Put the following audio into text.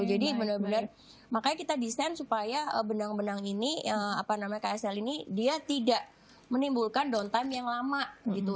jadi bener bener makanya kita desain supaya benang benang ini apa namanya ksl ini dia tidak menimbulkan downtime yang lama gitu